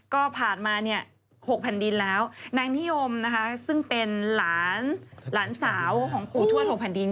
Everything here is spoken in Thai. ก็ผ่านมาเนี่ย๖แผ่นดินแล้วนางนิยมนะคะซึ่งเป็นหลานสาวของปู่ทวด๖แผ่นดิน